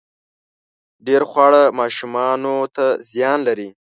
ډېر خواږه ماشومانو ته زيان لري